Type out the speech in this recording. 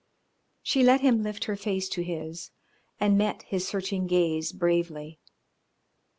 She let him lift her face to his, and met his searching gaze bravely.